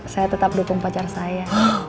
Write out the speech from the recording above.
saya tetap dukung pacar saya